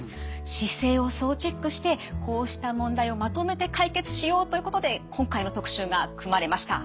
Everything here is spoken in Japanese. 姿勢を総チェックしてこうした問題をまとめて解決しようということで今回の特集が組まれました。